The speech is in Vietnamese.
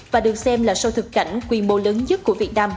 và được xem là sâu thực cảnh quy mô lớn nhất của việt nam